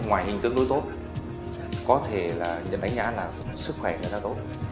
có ngoài hình tương đối tốt có thể là nhận đánh giá là sức khỏe rất là tốt